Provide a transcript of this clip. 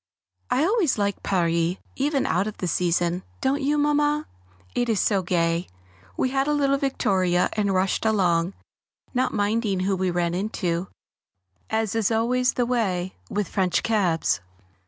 I always like Paris even out of the season, don't you, Mamma? it is so gay. We had a little victoria and rushed along, not minding who we ran into, as is always the way with French cabs.